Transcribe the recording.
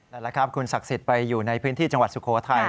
นั่นแหละครับคุณศักดิ์สิทธิ์ไปอยู่ในพื้นที่จังหวัดสุโขทัย